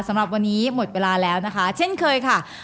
สำหรับวันนี้หมดเวลาแล้วนะคะเช่นเคยค่ะ